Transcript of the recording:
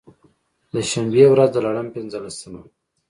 د شبې و رځ د لړم پنځلسمه وه.